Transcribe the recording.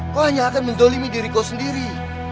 kau hanya akan mendolimi diri kau sendiri